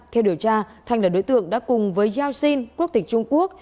theo điều tra thanh là đối tượng đã cùng với yao xin quốc tịch trung quốc